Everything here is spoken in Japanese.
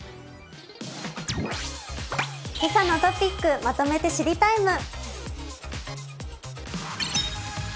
「けさのトピックまとめて知りＴＩＭＥ，」。